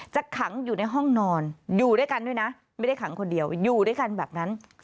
จะขังอยู่ในห้องนอนอยู่ด้วยกันด้วยนะไม่ได้ขังคนเดียวอยู่ด้วยกันแบบนั้น